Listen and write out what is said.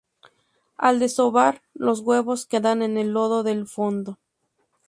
Al desovar, los huevos quedan en el lodo del fondo.